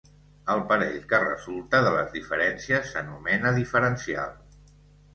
El parell que resulta de les diferències s'anomena diferencial.